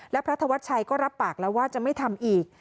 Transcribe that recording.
และพระธวัชชัยก็รับปากแล้วว่าจะไม่ทำอีก